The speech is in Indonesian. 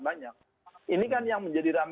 banyak ini kan yang menjadi